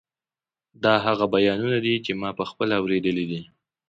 دا هغه بیانونه دي چې ما پخپله اورېدلي دي.